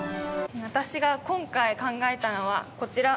私が今回考えたのはこちら。